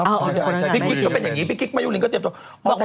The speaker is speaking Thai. พี่กิ๊กก็เป็นอย่างนี้พี่กิ๊กมายุลินก็เตรียมตัว